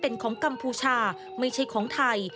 เป็นของกัมพูชาไม่ใช่ของไทย